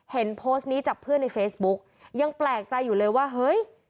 เห็นโพสต์นี้จากเพื่อนในเฟซบุ๊กยังแปลกใจอยู่เลยว่าเฮ้ย